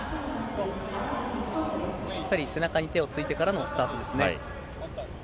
しっかり背中に手をついてからのスタートですね。